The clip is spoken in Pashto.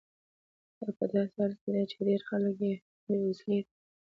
دا په داسې حال کې ده چې ډیری خلک بې وسیلې دي.